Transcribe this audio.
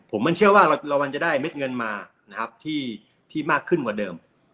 ผมมันเชื่อว่าเรามันจะได้เม็ดเงินมานะครับที่มากขึ้นกว่าเดิม